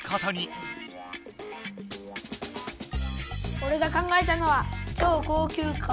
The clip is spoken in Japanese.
おれが考えたのは超高級カー。